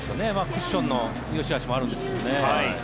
クッションのよしあしもあるんですけどね。